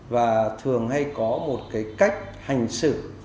và thường hay có một cái cách hành xử